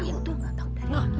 itu gak tau